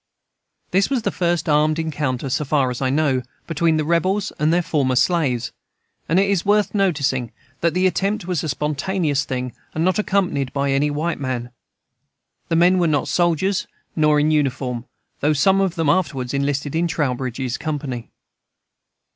This was the first armed encounter, so far as I know, between the rebels and their former slaves; and it is worth noticing that the attempt was a spontaneous thing and not accompanied by any white man. The men were not soldiers, nor in uniform, though some of them afterwards enlisted in Trowbridge's company.